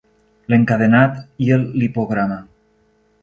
L'encadenat i el lipograma.